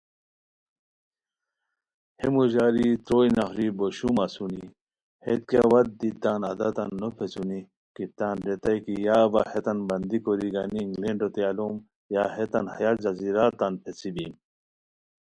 ہے موژاری تروئے نفری بو شوم اسونی ہیت کیہ وت دی تان عاداتان نو پیڅھونی کپتان ریتائے کی یا اوا ہیتان بندی کوری گانی انگلینڈوتین الوم یا ہیتان ہیہ جزیرا تان پیڅھی بیم